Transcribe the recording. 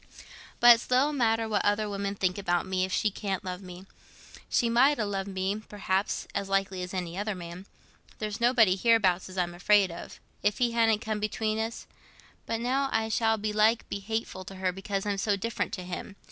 But it's little matter what other women think about me, if she can't love me. She might ha' loved me, perhaps, as likely as any other man—there's nobody hereabouts as I'm afraid of, if he hadn't come between us; but now I shall belike be hateful to her because I'm so different to him.